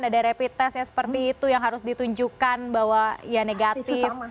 ada rapid testnya seperti itu yang harus ditunjukkan bahwa ya negatif